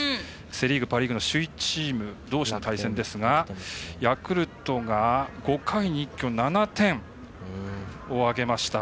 セ・リーグ、パ・リーグの首位チームどうしの対戦ですがヤクルトが５回に一挙７点を挙げました。